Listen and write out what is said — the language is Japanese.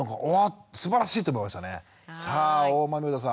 さあ大豆生田さん。